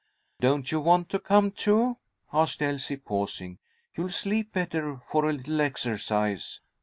"Don't you want to come too?" asked Elsie, pausing. "You'll sleep better for a little exercise."